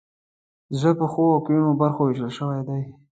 زړه په ښیو او کیڼو برخو ویشل شوی دی.